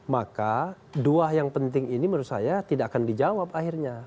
maka dua yang penting ini menurut saya tidak akan dijawab akhirnya